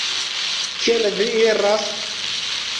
Kien vi iras?